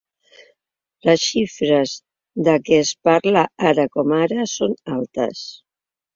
Les xifres de què es parla ara com ara són altes.